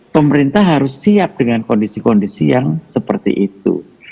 pemerintah harus siap dengan kondisi kondisi yang seperti itu